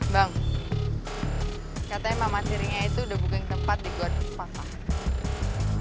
bang katanya mama siringnya itu udah buka tempat di guadangkapa